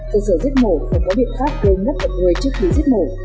sự sửa giết mổ phải có biện pháp gây mất vật nuôi trước khi giết mổ